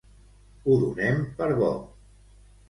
Ho donem per bo.